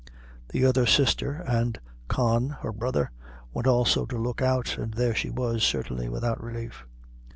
The other sister and Con, her brother, went also to look out, and there she was, certainly without relief.